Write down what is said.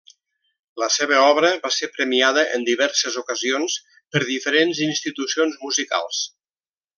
La seva obra va ser premiada en diverses ocasions per diferents institucions musicals.